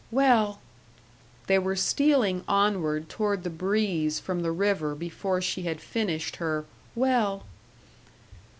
"Well " They were stealing onward toward the breeze from the river before she had finished her "Well."